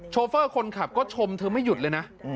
ช่วงเครื่องดันก็ชวมเธอไม่หยุดเลยนะ